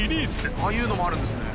ああいうのもあるんですね。